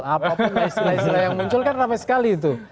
apapun istilah istilah yang muncul kan ramai sekali itu